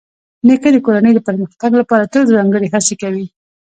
نیکه د کورنۍ د پرمختګ لپاره تل ځانګړې هڅې کوي.